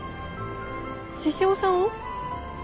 獅子王さんを？